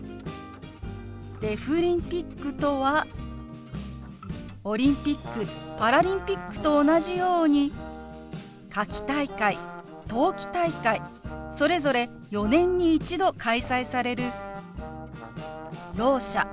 「デフリンピック」とはオリンピック・パラリンピックと同じように夏季大会・冬季大会それぞれ４年に一度開催されるろう者